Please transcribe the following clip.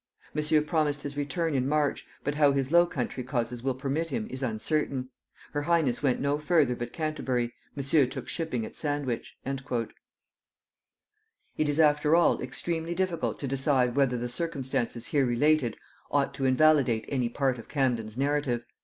Monsieur promised his return in March, but how his Low Country causes will permit him is uncertain. Her highness went no further but Canterbury, Monsieur took shipping at Sandwich." [Note 92: "Illustrations," vol. ii. p. 258.] It is, after all, extremely difficult to decide whether the circumstances here related ought to invalidate any part of Camden's narrative.